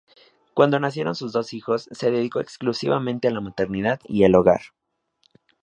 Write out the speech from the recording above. Cuando nacieron sus dos hijos se dedicó exclusivamente a la maternidad y el hogar.